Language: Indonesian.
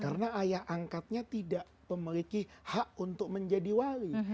karena ayah angkatnya tidak memiliki hak untuk menjadi wali